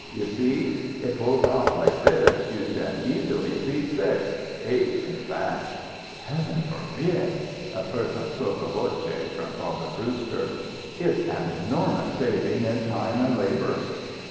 You see? It pulls out like this. You can easily seat six eight, in fact." "Heaven forbid!" in fervent sotto voce from Father Brewster. "It's an enormous saving in time and labour."